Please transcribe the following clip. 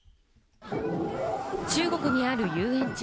中国にある遊園地。